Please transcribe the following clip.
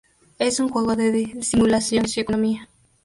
Es un juego de simulación de negocios y economía.